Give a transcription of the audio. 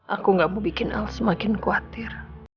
aku gak mau bikin aku semakin khawatir